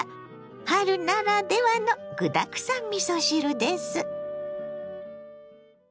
春ならではの具だくさんみそ汁です。